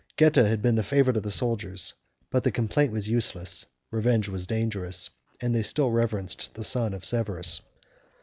Geta had been the favorite of the soldiers; but complaint was useless, revenge was dangerous, and they still reverenced the son of Severus.